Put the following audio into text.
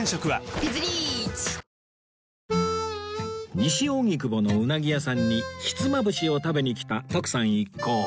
西荻窪のうなぎ屋さんにひつまぶしを食べに来た徳さん一行